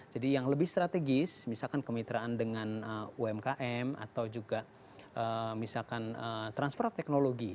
jadi yang lebih strategis misalkan kemitraan dengan umkm atau juga misalkan transfer of technology